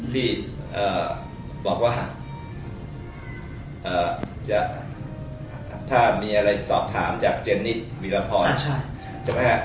พี่เอ่อบอกว่าเอ่อจะถ้ามีอะไรสอบถามจากเจนิสวีรพรใช่ไหมฮะ